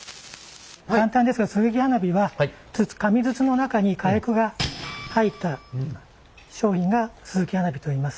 簡単ですがすすき花火は紙筒の中に火薬が入った商品がすすき花火といいます。